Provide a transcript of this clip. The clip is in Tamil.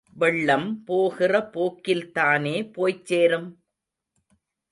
வெள்ளம் போகிற போக்கில்தானே போய்ச் சேரும்?